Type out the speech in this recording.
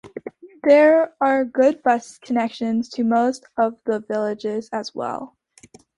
There are good bus connections to most of the villages as well.